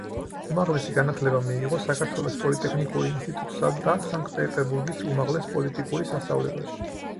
უმაღლესი განათლება მიიღო საქართველოს პოლიტექნიკური ინსტიტუტსა და სანქტ-პეტერბურგის უმაღლეს პოლიტიკური სასწავლებელში.